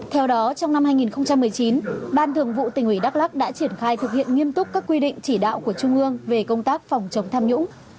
theo đó trong năm hai nghìn một mươi chín ban thường vụ tỉnh ủy đắk lắc đã triển khai thực hiện nghiêm túc các quy định chỉ đạo của trung ương về công tác phòng chống tham nhũng